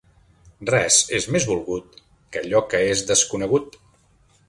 Res és més volgut que allò que és desconegut.